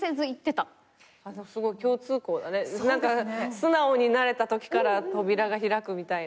素直になれたときから扉が開くみたいな。